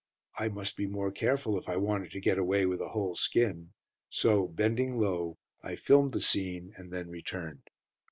I must be more careful if I wanted to get away with a whole skin; so bending low, I filmed the scene, and then returned.